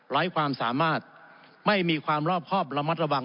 ความสามารถไม่มีความรอบครอบระมัดระวัง